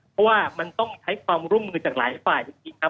เพราะว่ามันต้องใช้ความร่วมมือจากหลายฝ่ายจริงครับ